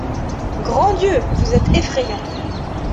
Grand Dieu! vous êtes Effrayant.